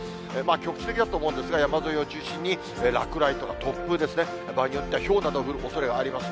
局地的だと思うんですが、山沿いを中心に落雷とか突風ですね、場合によっては、ひょうなど降るおそれがあります。